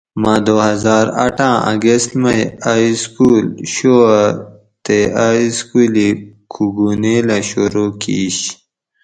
مۤہ دو ہزار آٹھاۤں اگست مئ اۤ اسکول شہو اۤ تے اۤ اِسکول ای کوگونیلہ شورو کِیش